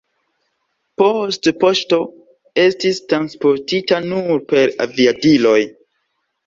Poste poŝto estis transportita nur per aviadiloj.